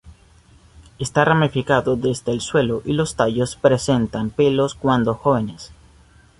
Está ramificado desde el suelo y los tallos presentan pelos cuando jóvenes.